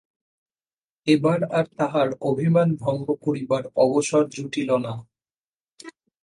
এবার আর তাহার অভিমান ভঙ্গ করিবার অবসর জুটিল না।